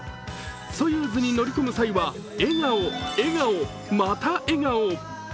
ソユーズに乗り込む際は笑顔、笑顔また笑顔。